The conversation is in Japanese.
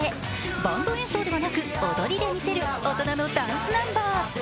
バンド演奏ではなく、踊りで見せる大人のダンスナンバー。